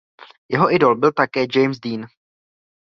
Jeho idol byl také James Dean.